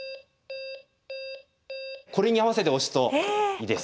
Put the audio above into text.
これに合わせて押すといいです。